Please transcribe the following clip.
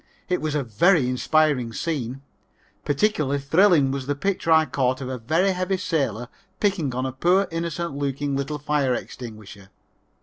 It was a very inspiring scene. Particularly thrilling was the picture I caught of a very heavy sailor picking on a poor innocent looking little fire extinguisher.